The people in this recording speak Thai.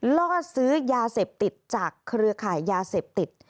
ล่อซื้อยาเสพติดจากเครือข่ายยาเสพติด